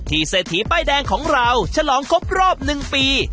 เศรษฐีป้ายแดงของเราฉลองครบรอบ๑ปี